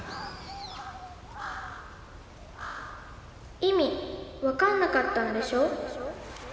意味分かんなかったんでしょ？